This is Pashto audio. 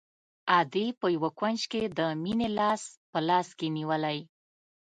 ادې په يوه کونج کښې د مينې لاس په لاس کښې نيولى.